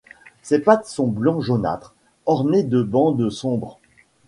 Ses pattes sont blanc jaunâtre, ornées de bandes sombres.